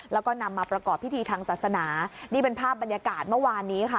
แล้วก็นำมาประกอบพิธีทางศาสนานี่เป็นภาพบรรยากาศเมื่อวานนี้ค่ะ